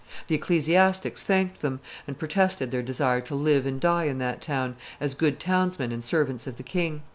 ... The ecclesiastics thanked them, and protested their desire to live and die in that town, as good townsmen and servants of the king